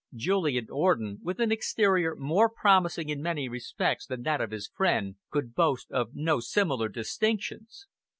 Julian Orden, with an exterior more promising in many respects than that of his friend, could boast of no similar distinctions.